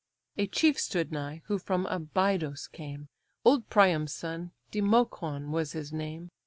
A chief stood nigh, who from Abydos came, Old Priam's son, Democoon was his name.